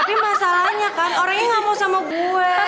tapi masalahnya kan orangnya gak mau sama gue